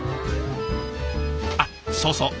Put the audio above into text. あっそうそう。